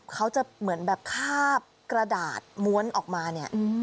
เขาจะเหมือนแบบคาบกระดาษม้วนออกมาเนี่ย